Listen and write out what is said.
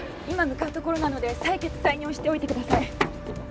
今向かうところなので採血採尿しておいてください。